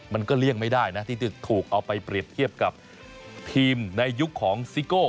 เลี่ยงไม่ได้นะที่จะถูกเอาไปเปรียบเทียบกับทีมในยุคของซิโก้